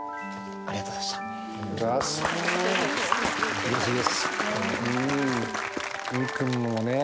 ありがとうございます。